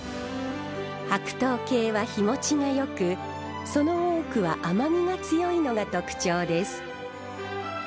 白桃系は日もちがよくその多くは甘みが強いのが特徴です。